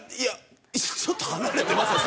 ちょっと離れてはいますよ